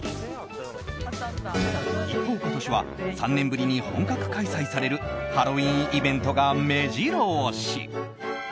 一方、今年は３年ぶりに本格開催されるハロウィーンイベントが目白押し。